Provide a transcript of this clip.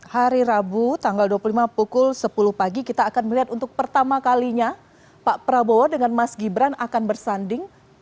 hari rabu tanggal dua puluh lima pukul sepuluh pagi kita akan melihat untuk pertama kalinya pak prabowo dengan mas gibran akan bersanding